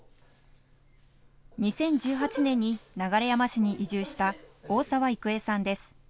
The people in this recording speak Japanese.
２０１８年に流山市に移住した大澤郁恵さんです。